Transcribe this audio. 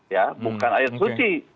ya bukan ayat suci